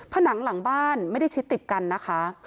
ผนังหลังบ้านไม่ได้ชิดติดกันนะคะ